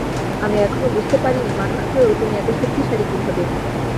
আমি এখনো বুঝতে পারিনি, মানুষ হয়েও তুমি এত শক্তিশালী কীভাবে।